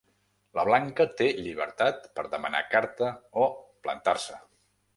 La banca té llibertat per demanar carta o plantar-se.